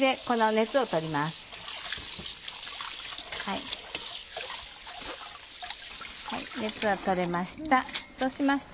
熱はとれました